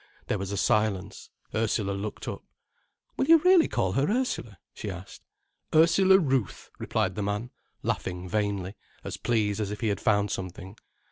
There was a silence, Ursula looked up. "Will you really call her Ursula?" she asked. "Ursula Ruth," replied the man, laughing vainly, as pleased as if he had found something.